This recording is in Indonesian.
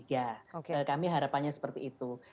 kami harapannya seperti itu